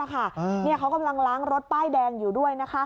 เขากำลังล้างรถป้ายแดงอยู่ด้วย